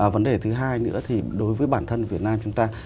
vấn đề thứ hai nữa thì đối với bản thân việt nam chúng ta